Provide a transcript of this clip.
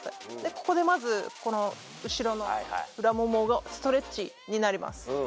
ここでまず裏もものストレッチになります。